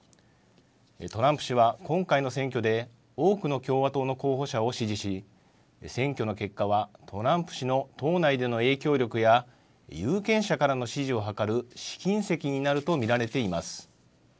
トランプ氏は、今回の選挙で多くの共和党の候補者を支持し、選挙の結果は、トランプ氏の党内での影響力や、有権者からの支持をはかる試金石になると見られています。